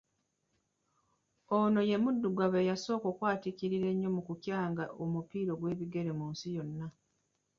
Ono ye muddugavu eyasooka okwatiikirira ennyo mu kukyanga omupiira ogw’ebigere mu nsi yonna.